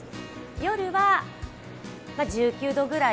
夜は１９度くらい。